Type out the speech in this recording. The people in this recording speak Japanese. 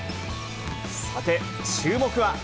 さて、注目は。